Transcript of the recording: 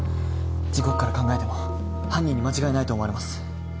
時刻から考えても犯人に間違いないと思われます。